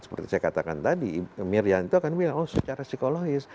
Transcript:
seperti saya katakan tadi mirian itu akan bilang oh secara psikologis